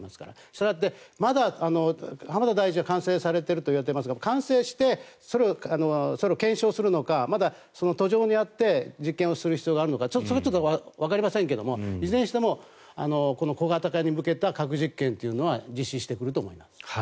したがって浜田大臣は完成されていると言われていますが、完成してそれを検証するのかまだ途上にあって検証する必要があるのかちょっとそれはわかりませんがいずれにしても小型化に向けた核実験というのは実施してくると思います。